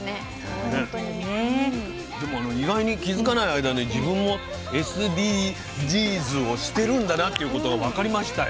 意外に気付かない間に自分もＳＤＧｓをしてるんだなということが分かりましたよ。